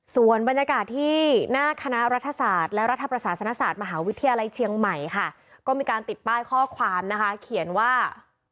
ส่วนบรรยากาศที่หน้าคณะรัฐศาสตร์และรัฐประศาสนศาสตร์มหาวิทยาลัยเชียงใหม่ค่ะก็มีการติดป้ายข้อความนะคะเขียนว่า